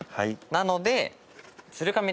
なので。